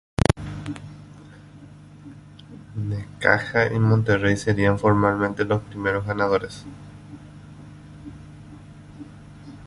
Necaxa y Monterrey serían formalmente los primeros ganadores.